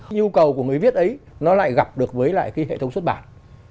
nhu cầu của người viết ấy nó lại gặp được với lại cái hệ thống xuất bản